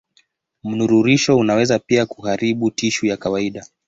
Mnururisho unaweza pia kuharibu tishu ya kawaida.